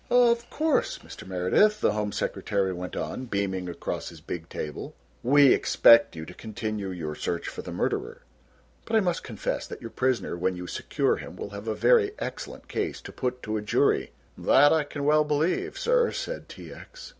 "Of course, Mr. Meredith," the Home Secretary went on, beaming across his big table, "we expect you to continue your search for the murderer, but I must confess that your prisoner when you secure him will have a very excellent case to put to a jury." "That I can well believe, sir," said T. X.